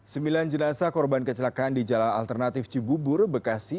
sembilan jenazah korban kecelakaan di jalan alternatif cibubur bekasi